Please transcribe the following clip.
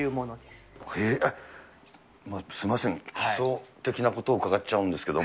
すみません、基礎的なことを伺っちゃうんですけど。